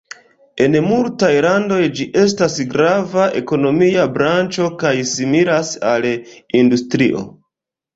En multaj landoj ĝi estas grava ekonomia branĉo kaj similas al industrio.